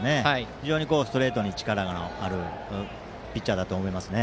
非常にストレートに力のあるピッチャーだと思います。